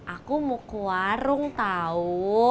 aku mau ke warung tahu